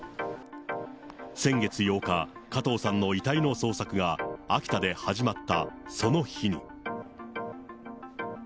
先月８日、加藤さんの遺体の捜索が秋田で始まったその日に。